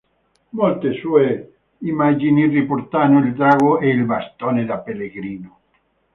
Molte sue immagini riportano il drago e il bastone da pellegrino.